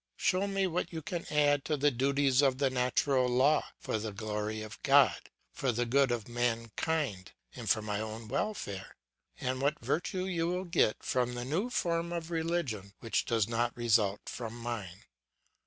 Show me what you can add to the duties of the natural law, for the glory of God, for the good of mankind, and for my own welfare; and what virtue you will get from the new form of religion which does not result from mine.